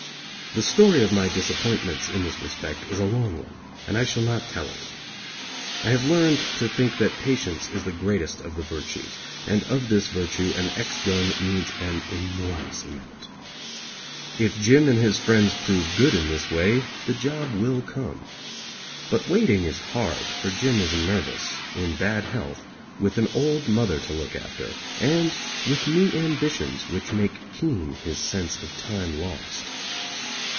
The story of my disappointments in this respect is a long one, and I shall not tell it. I have learned to think that patience is the greatest of the virtues; and of this virtue an ex gun needs an enormous amount. If Jim and his friends prove good in this way, the job will come. But waiting is hard, for Jim is nervous, in bad health, with an old mother to look after, and with new ambitions which make keen his sense of time lost.